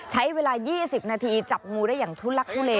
ใช้เวลา๒๐นาทีจับงูได้อย่างทุลักทุเล